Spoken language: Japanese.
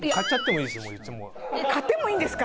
買ってもいいんですか？